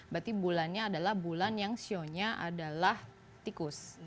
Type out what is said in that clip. berarti bulannya adalah bulan yang sionya adalah tikus